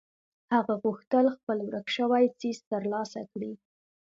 هغه غوښتل خپل ورک شوی څيز تر لاسه کړي.